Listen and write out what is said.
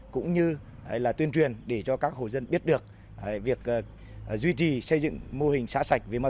cũng như là tuyên truyền để cho các hộ dân biết được việc duy trì xây dựng mô hình xã sạch về ma